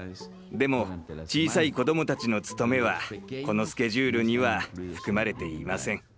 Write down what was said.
でも小さい子どもたちの務めはこのスケジュールには含まれていません。